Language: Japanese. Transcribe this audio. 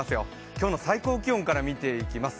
今日の最高気温から見ていきます。